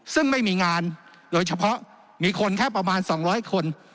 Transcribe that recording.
ซึ่งไม่มีงานโดยเฉพาะมีคนแค่ประมาณ๒๐๐คน